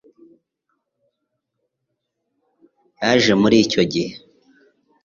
yaje muri icyo gihe